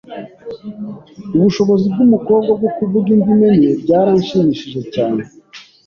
Ubushobozi bwumukobwa bwo kuvuga indimi enye byaranshimishije cyane.